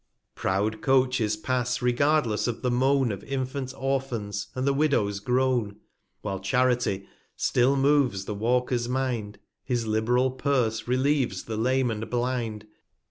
v Proud Coaches pass, regardless of the MoanA Of Infant Orphans, and the Widow's Groan ; 330 While Charity still moves the Walker's Mind, His lib'ral Purse relieves the Lame and Blind.